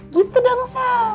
gitu dong sal